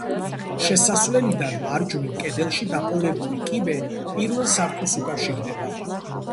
შესასვლელიდან მარჯვნივ კედელში დაყოლებული კიბე პირველ სართულს უკავშირდება.